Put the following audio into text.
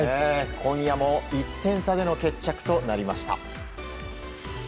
今夜も１点差での決着となりました。